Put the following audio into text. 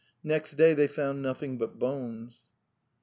... Next day they found nothing but bones."